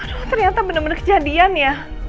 aduh ternyata bener bener kejadian ya